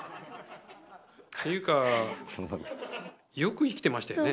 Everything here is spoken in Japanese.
ていうかよく生きてましたよね。